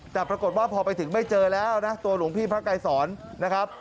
แต่ปรากฏว่าพอไปถึงไม่เจอแล้วนะตัวหลวงพี่พระไกรสอนนะครับ